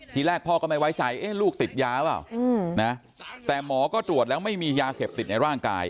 ทีแรกพ่อก็ไม่ไว้ใจลูกติดยาเปล่านะแต่หมอก็ตรวจแล้วไม่มียาเสพติดในร่างกาย